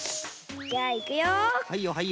じゃあいくよ。